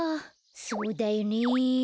そうだよね。